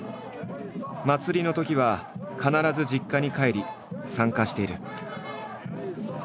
祭りのときは必ず実家に帰り参加している。